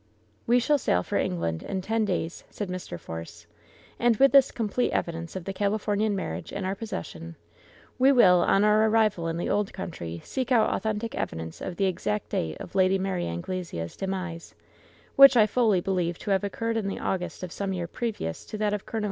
"We shall sail for England in ten days," said Mr. Force, "and with this complete evidence of the Califor nian marriage in our possession we will, on our arrival in the old country, seek out authentic evidence of the LOVE'S BITTEREST CUP 165 exact date of Lady Mary Anglesea's demise, which I fully believe to have occurred in the August of some year previous to that of Col.